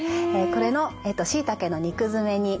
これのしいたけの肉詰めになります。